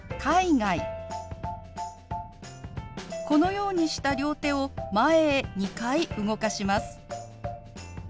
このようにした両手を前へ２回動かします。